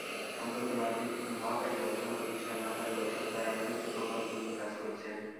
সম্প্রতি মার্কিন মহাকাশ গবেষণা প্রতিষ্ঠান নাসার গবেষকেরা এমন একটি প্রকল্প নিয়ে কাজ করছেন।